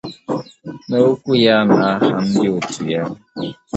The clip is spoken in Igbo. N'okwu ya n'aha ndị otu ya